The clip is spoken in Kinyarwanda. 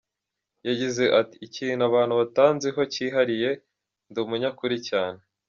Yagize ati “Ikintu abantu batanziho cyihariye, ndi umunyakuri cyane.